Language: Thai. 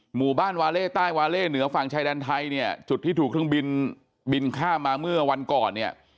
หมู่บ้านวาเล่ใต้วาเล่เหนือฝั่งชายแดนไทยเนี่ยจุดที่ถูกเครื่องบินบินข้ามมาเมื่อวันก่อนเนี่ย